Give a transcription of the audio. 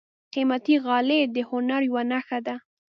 قیمتي غالۍ د هنر یوه نښه ده.